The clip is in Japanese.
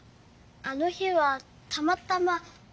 あの日はたまたま。